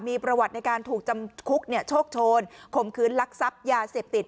มีประวัติในการถูกจำคุกเนี่ยโชคโชนคมคืนลักษัพยาเสพติด